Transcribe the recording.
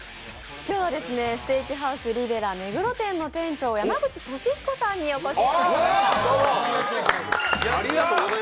今日はステーキハウスリベラの店長山口敏彦さんにお越しいただきました。